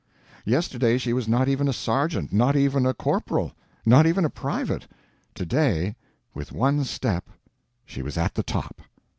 Yesterday she was not even a sergeant, not even a corporal, not even a private—to day, with one step, she was at the top.